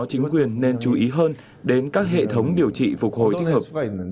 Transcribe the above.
chính quyền nên chú ý hơn đến các hệ thống điều trị phục hồi thích hợp